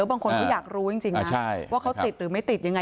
คือบางคนก็อยากรู้จริงนะว่าเขาติดหรือไม่ติดอย่างไร